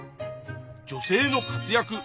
「女性の活躍」。